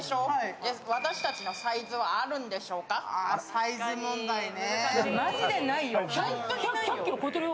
サイズ問題ね。